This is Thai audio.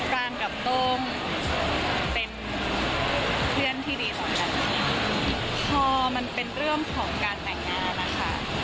รางกับโต้มเป็นเพื่อนที่ดีต่อกันพอมันเป็นเรื่องของการแต่งงานนะคะ